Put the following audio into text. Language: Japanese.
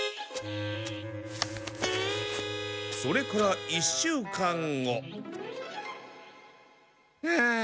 それから１週間後ハァ